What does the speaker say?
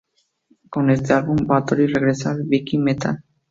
Con este álbum, Bathory regresa al viking metal.